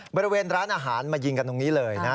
บริเวณร้านอาหารมายิงกันตรงนี้เลยนะ